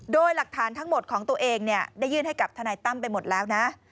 โดยหลักฐานทั้งหมดของตัวเองได้ยื่นให้กับทนายตั้มไปหมดแล้วนะ